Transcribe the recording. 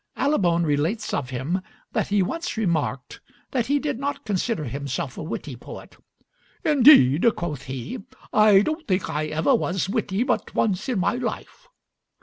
Allibone relates of him that he once remarked that he did not consider himself a witty poet. "Indeed," quoth he, "I don't think I ever was witty but once in my life."